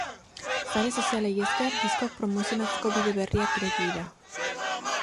Sare sozialei esker, diskoak promozionatzeko bide berriak ireki dira.